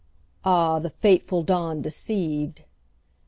Ah, the fateful dawn deceived!